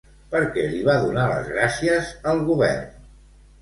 Per què li va donar les gràcies el govern?